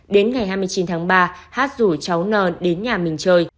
đến ngày hai mươi chín tháng ba hát rủ cháu n đến nhà mình chơi